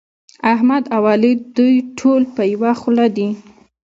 احمد او علي دوی ټول په يوه خوله دي.